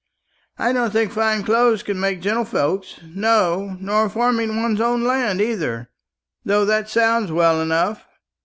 "I don't think fine clothes can make gentlefolks; no, nor farming one's own land, either, though that sounds well enough.